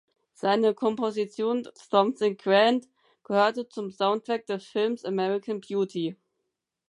Seine Komposition "Something Grand" gehörte zum Soundtrack des Films American Beauty.